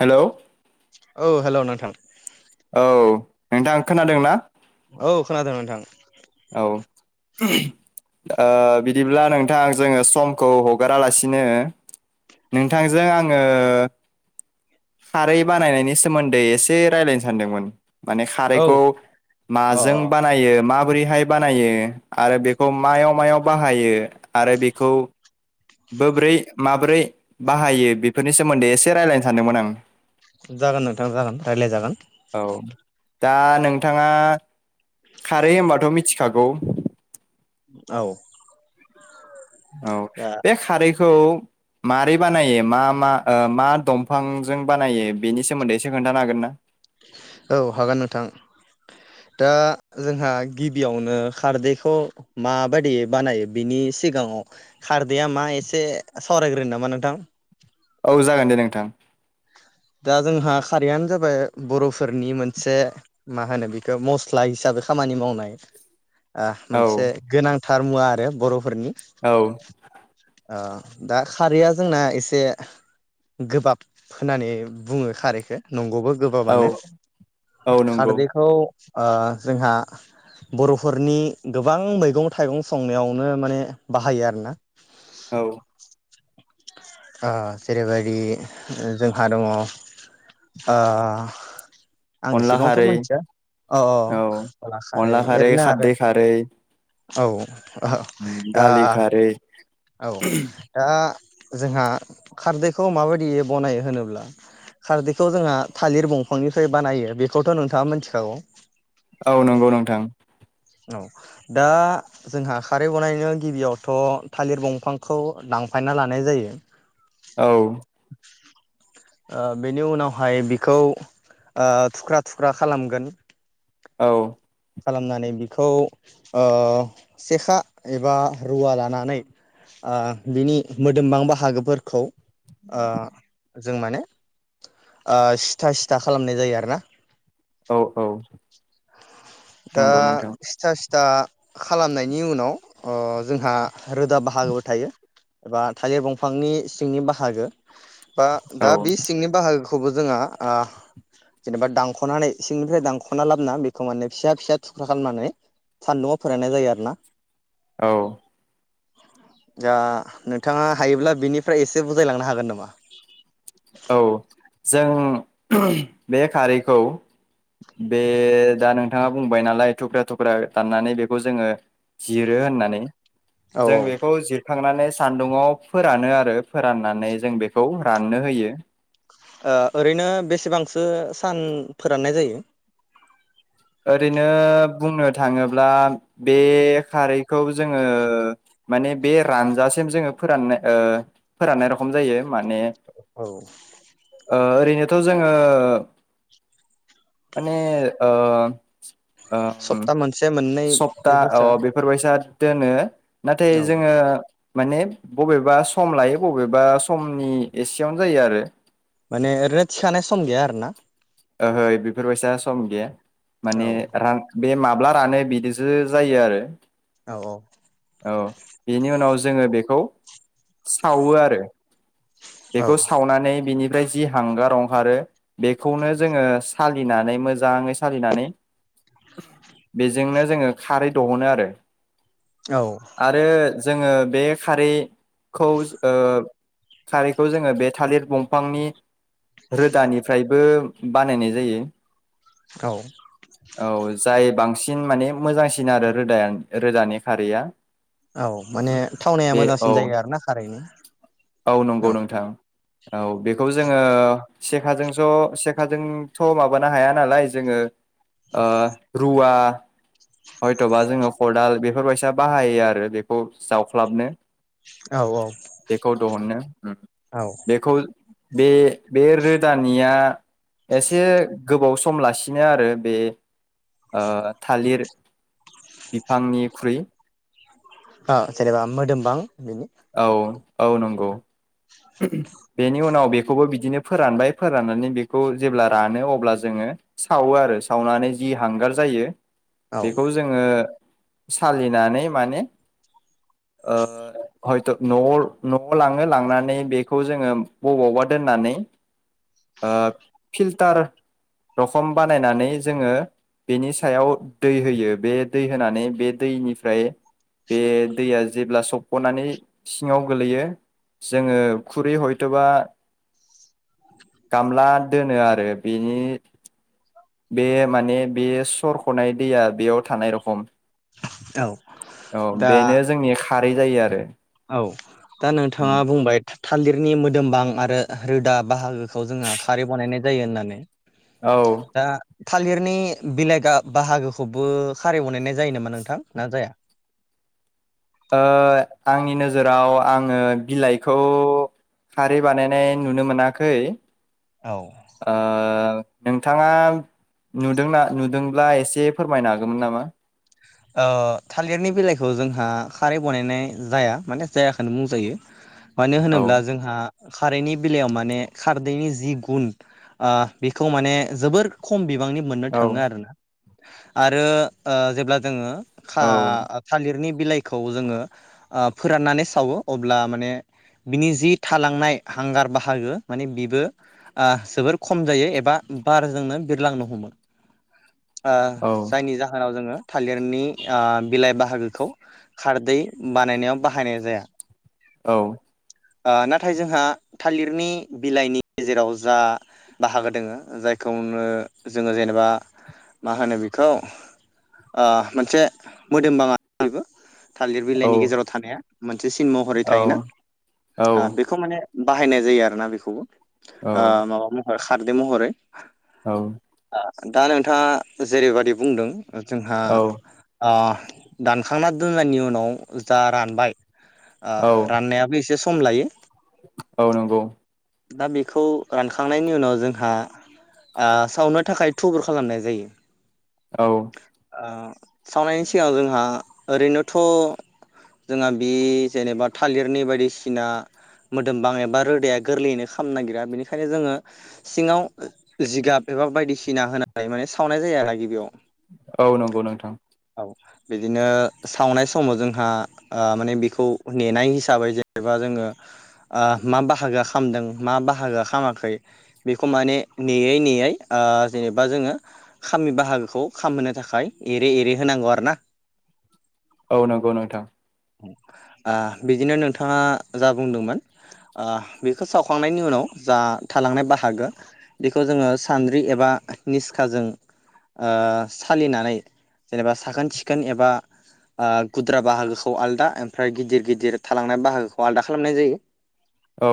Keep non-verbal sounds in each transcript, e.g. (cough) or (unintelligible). Hello औ औ hello नोंथां नोंथां खोनादों ना? औ खोनादों नोंथां। बिदिब्ला नोंथां जोङो समखौ हगारालासिनो नोंथांजों आङो खारै बानायनायनि सोमोन्दै एसे रायजलायनो सानदोंमोन। माने औ खारैखौ अ माजों अ बानायो मा बोरैहाय बानायो आरो बेखौ माव माव बाहायो आरो बेखौ बब्रै-माब्रै बाहायो बेफोरनि सोमोन्दै एसे रायज्लायनो सानदोंमोन आं। जागोन नोंथां जागोन रायज्लायजागोन औ दा नोंथाङा खारै होनबाथ' मिथिखागौ। औ औ दा बे खारैखौ मारै बानायो मा मा ओ मा दंफांजों बानायो बेनि सोमोन्दै एसे खोन्थानो हागोन ना औ हागोन नोंथां दा जोंहा गिबियावनो खारदैखौ माबायदि बानायो बिनि सिगाङाव खारदैया मा एसे सावरायग्रोनो नामा नोंथां औ जागोन दे नोंथां दा जोंहा खारैयानो जाबाय बर'फोरनि मोनसे मा होनो बेखौ मस्ला हिसाबै खामानि मावनाय औ मोनसे गोनां थारमुवा आरो बरफ फोरनि औ ओ दा खारैया जोंना एसे गोबाब होनानै बुङो खारैखो न गौबो औ गोबाबानो औ नंगौ खारदैखौ ओ जोंहा बर'फोरनि गोबां मैगं थाइगं संनायावनो माने बाहायो आरोना औ ओ जेरैबायदि जोंहा दङ ओ आं अनला एसेबांथ' खारै मिथिया अ औ अ अनला खारै ओरैनो आरो औ (unintelligible) ओ दालि खारै औ दा जोंहा खारदैखौ माबायदियै बनायो होनोब्ला खारदैखौ जोंहा थालिर बंफांनिफ्राय बानायो बेखौथ' नोंथाङा मिथिखागौ औ नंगौ नोंथां औ दा जोंहा खारै बनायनो गिबियावथ' थालिर बंफांखौ दानफायना लानाय जायो औ ओ बेनि उनावहाय बिखौ ओ थुख्रा थुख्रा खालामगोन औ खालामनानै बि खौ ओ सेखा एबा रुवा लानानै ओ बिनि मोदोमबां बाहागोफोरखौ ओ जों माने ओ सिथा सिथा खालामनाय जायो आरोना औ औ दा नंगौ नोंथां सिथा सिथा खालामनायनि उनाव ओ जोंहा रोदा बाहागोबो थायो एबा थालिर बंफांनि सिंनि बाहागो बा औ दा बे सिंनि बाहागो खौबो जोङो ओ जेनेबा दानख'नानै सिंनिफ्राय दानख'ना लाबोना बेखौ माने फिसा फिसा थुख्रा खालामनानै सान्दुआव फोराननाय जायो आरो ना औ दा नोंथाङा हायोब्ला बिनिफ्राय एसे बुजायलांनो हागोन नामा? औ जों ओम बे खारैखौ बे दा नोंथाङा बुंबाय नालाय थुख्रा थुख्रा दाननानै बेखौ जोङो जिरो होननानै औ जों बेखौ जिरखांनानै सान्दुंङाव फोरानो आरो फोराननानै जों बेखौ राननो होयो ओ ओरैनो बेसेबांसो सान फोराननाय जायो ओरैनो बुंनो थाङोब्ला बे खारैखौ जोङो माने बे रानजासिम जोङो फोराननाय ओ फोराननाय रखम जायो माने औ ओ ओरै नेथ' जोङो माने ओ (inaudible) ओ सप्ता मोनसे मोननै सप्ता अ बेफोरसो बेफोरबायसा दोनो नाथाय औ जोङो माने बबेबा सम लायो बबेबा समनि एसेयावनो जायो आरो माने ओरैनो थिखानाय सम गैया आरो ना ओहै बेफोरबायसा सम गैया औ माने रां बे माब्ला रानो बिदिसो जायो आरो औ औ बेनि उनाव जोङो बेखौ सावो आरो औ बेखौ सावनानै बिनि फ्राय जि हांगार ओंखारो बेखौनो जोङो सालिनानै मोजाङै सालिनानै बेजोंनो जोङो खारै दहनो आरो औ आरो जोङो बे खारैखौ ओ खारैखौ जोङो बे थालिर दंफांनि रोदानिफ्रायबो बानायनाय जायो औ औ जायो बांसिन माने मोजांसिन आरो रोदा रोदानि खारैया औ माने थावनाया बे औ मोजांसिन जायो आरोना खारैना नंगौ औ नोंथां औ बेखौ जोङो सेखाजों ज' सेख खाजोंथ' माबानो हाया नालाय जोङो ओ रुवा हयथ'बा जोङो कदाल बेफोरबायसा बाहायो आरो बेखौ जावख्लाबनो औ औ बेखौ देहुननो औ बेखौ बे बे रोदानिया एसे गोबावस सम' लासिनो आरो बे ओ थालिर बिफांनिख्रुइ ओ जेनेबा मोदोमबां बेनि औ औ नंगौ बेनि उनाव बेखौबो बिदिनो फोरानबाय फोराननानै बेखौ जेब्ला रानो अब्ला जोङो सावो आरो सावनानै जि हांगार जायो औ बेखौ जोङो सालिनानै माने ओ हयथ' न' न'आव लाङो लांनानै बेखौ जोङो बबावबा दोननानै ओ फिल्टार रखम बानायनानै जोङो बेनि सायाव दै होयो बे दै होनानै बे दैनिफ्राय बे दैया जेब्ला थबख'नानै सिङाव गोलैयो जोङो खुरै हयथबा गामला दोनो आरो बेनि बे माने बे सरख'नाय दैया बेयाव थानाय रखम औ औ बेनो जोंनि खारै जायो आरो औ दा नोंथाङा बुंबाय थालिरनि मोदोमबां आरो रोदा बाहागोखौ जोङो खारै बनायनाय जायो होननानै औ दा थालिरनि बिलाइ गा बाहागोखौबो खारै बनायनाय जायो नामा नोंथां ना जाया ओ आंनि नोजोराव आङो बिलाइखौ खारै बानायनाय नुनो मोनाखै औ ओ नोंथाङा नुदोंना नुदोंब्ला एसे फोरमायनो हागौमोन नामा ओ थालिरनि बेलाइखौ जोंहा खारै बानायनाय जाया माने जायाखोनो बुंजायो मानो औ होनोब्ला जोंहा खारैनि बेलायाव माने खारदैनि जि गुन ओ बेखौ माने जोबोर खम' बि बांनि मोननो औ थाङो आरो ना आरो ओ जेब्ला जोङो खा औ थालिरनि बिलाइखौ जोङो ओ फोराननानै सावो अब्ला माने बिनि जि थालांनाय हांगार बाहागो माने बिबो ओ जोबोर खम जायो एबा बारजोंनो बिरलांनो हमो। ओ औ जायनि जाहोनाव जोङो थालिरनि आ बिलाइ बाहागोखौ खारदै बानायनायाव बाहायनाय जाया। औ। आ नाथाय जोंहा थालिरनि बिलाइनि गेजेराव जा बाहागो दोङो जायखौनो जोङो जेनेबा मा होनो बेखौ ओ मोनसे मोदोम बा (unintelligible) बेबो थालिर बिलाइनि गेजेराव थानाया से सिन महरै औ थायोना आ बेखौ माने बाहायनाय जायो आरो ना बेखौबो। आ माबा बु खारदै महरै औ। दा नोंथाङा जेरैबादि बुंदों। जोंहा औ आ दानखांना दोननायनि उनाव जा रानबाय ओ औ राननायाबो इसेसो सम लायो। औ नंगौ। दा बेखौ रानखांनायनि उनाव जोंहा ओ सावनो थाखाय थुबुर खालामनाय जायो। औ। ओ सावनायनि सिगां जोंहा ओरैनोथ' जोंहा बि जेनेबा थालिरनि बायदिसिना मोदोमबां एबा रोदाया गोरलैयैनो खाम नागिरा बेनिखायनो जोङो सिङाव जिगाब एबा बायदिसिना होनानै माने सावनाय जायो आरो गिबियाव। औ नंगौ नोंथां। औ बिदिनो सावनाय समाव जोंहा ओ माने बेखौ नेनाय हिसाबै जेनेबा जोङो ओ मा बाहागोआ खामदों मा बाहागोआ खामाखै बेखौ माने नेयै नेयै ओ जेनेबा जोङो खामै बाहागोखौ खामहोनो थाखाय एरेै - एरेै होनांगौ आरो ना। औ नंगौ नोंथां। आ बिदिनो नोंथाङा जा बुंदोंमोन आ बेखौ सावखांनायनि उनाव जा थालांनाय बाहागो बेखौ जोङो सान्द्रि एबा निस्खाजों ओ सालिनानै जेनेबा साखोन - सिखोन एबा ओ गुद्रा बाहागोखौ आलदा ओमफाय गिदिर - गिदिर थालांनाय बाहागोखौ आलदा खालामनाय जायो। औ।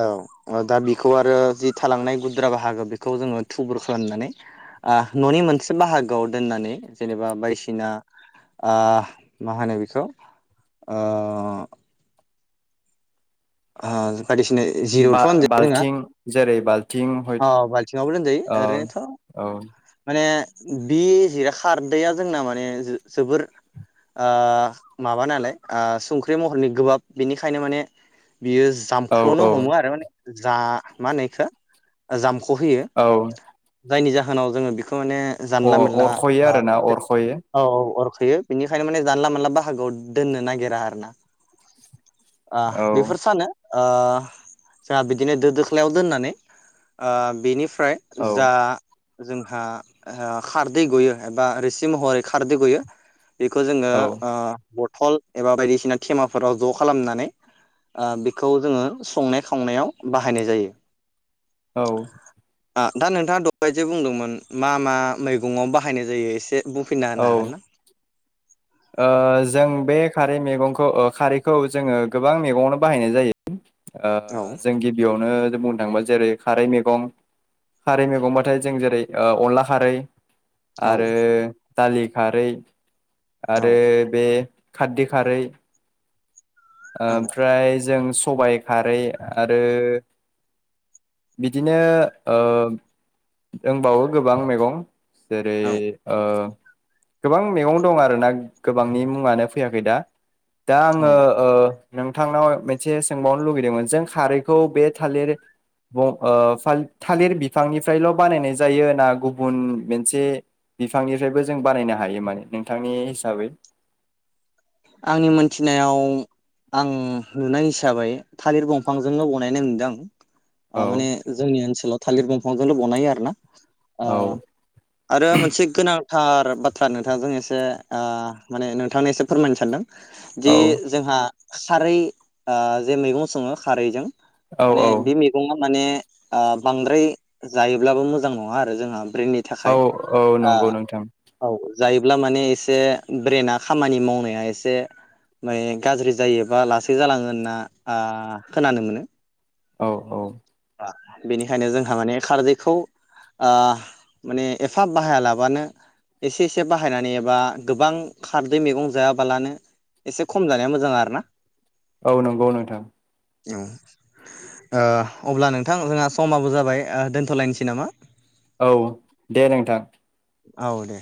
औ दा बेखौ आरो जि थालांनाय गुद्रा बाहागो बेखौ जोङो थुबुर खालामनानै आ न'नि मोनसे बाहागोआव दोननानै जेनेबा बायसिना ओ मा होनो बेखौ ओ आ। बायदिसिने जिर'थ' होनजाया जोङा बा-बाल्थिं जेरै बाल्थिं हय औ बाल्थिङावबो दोनजायो ओ ओरैनोथ' औ माने बे जेरे खारदैया जोंना माने जो - जोबोर ओ माबा नालाय ओ संख्रि महरनि गोबाब बेनिखायनो माने बियो औ जामख्ल'नो औ हमो आरो माने। जा मा होनो इखो जाम ख होयो औ जायनि जाहोनाव बिखो खो माने अ जानला मोनला अरख'यो आ आरोना बे अरख'यो औ - औ बेयो बेनिखायनो माने जानला मोनोनला बाहागोआव दोननो नागिरा आरो ना। आ औ बेफोर ओ चा बिदिनो दो - दोख्लायाव दोननानै आ बिनि फ्राय औ जा जोंहा खारदै गयो एबा रोसि महरै खारदै गयो बेखौ जोङो औ आ बटल एबा बायदिसिना थेमाफोराव ज' खालामनानै आ बेखौ जोङो संनाय खावनायाव बाहायनाय जायो। औ। आ दा नोंथाङा द'बायजे बुंदोंमोन मा मा मैगंआव बाहायनाय जायो? एसे बुंफिनना औ हाना हागोन ना? ओ जों बे खारै मैगंखौ ओ खारैखौ जोङो गोबां मैगङावनो बाहायनाय जायो। ओ औ जों गिबियावनो जों बुंनो थाङोबा जेरै खारै मैगं खारै मैगंबाथाय जों जेरै अनला खारै औ आरो दालि खारै औ आरो बे खाथदि खारै आ ओमफ्राय जों सबायाइ खारै आरो बिदिनो ओ दोंबावो गोबां मेगं जेरै औ आ गोबां मेगं दं आरोना गोबांनि मुङानो फैयाखै दा। दा औ आंयो ओ नोंथांनाव मोनसे सोंबावनो लुुबैदोंमोन जों खारैखौ बे थालिर थालिर ब ओ फाल बिफांनिफ्रायल' बानायनाय जायो ना गुबुन मोनसे बिफांनिफ्रायबो जों बानायनो हायो माने? नोंथांनि हिसाबै। आंनि मोनथिनायाव आं नुनाय हिसाबै थालिर गंफांजोंनो बनायनाय नुदों आं। आ औ माने जोंनि ओनसोलाव थालिर गंफांजोंल' बनायो आरो ना। अ औ आरो मोनसे गोनां थार बाथ्रा नोंथांजों एसे आ माने नोंथांनो एसे फोरमायनो सानदों। दि औ जोंहा खारै आ जे मैगं सङो खारैजों औ माने बि मैगंया माने ओ बांद्राय जायोब्लाबो मोजां नङा आरो जोंहा ब्रेननि थाखाय औ औ नोंगौ नोंथां ओ औ जायोब्ला माने एसे ब्रेना खामानि माव नाया एसे माने गाज्रि जायो बा लासै जालाङो होनना आ खोनानो मोनो औ औ बेनिखायनो जोंहा माने खारदैखौ ओ माने एफाब बाहायालाबानो एसे एसे बाहायनानै एबा गोबां खारदै मैगं जायाबालानो एसे खम जानाया मोजां आरोना औ नोंगौ नोंथां ओ ओ अब्ला नोंथां जोंहा समाबो जाबाय ओ दोन्थ लायनोसै नामा औ दे नोंथां औ दे